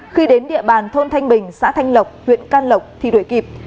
khi đến địa bàn thôn thanh bình xã thanh lộc huyện can lộc thì đuổi kịp